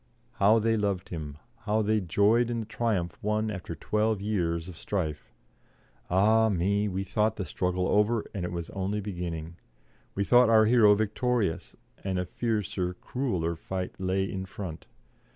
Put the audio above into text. How they loved him, how they joyed in the triumph won after twelve years of strife. Ah me! we thought the struggle over, and it was only beginning; we thought our hero victorious, and a fiercer, crueller fight lay in front.